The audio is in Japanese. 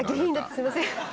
すいません。